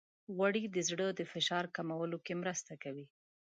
غوړې د زړه د فشار کمولو کې مرسته کوي.